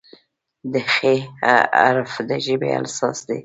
د "خ" حرف د ژبې اساس دی.